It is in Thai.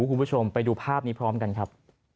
คุณผู้ชมไปดูภาพนี้พร้อมกันครับ